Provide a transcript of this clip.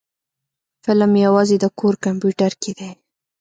فلم يوازې د کور کمپيوټر کې دی.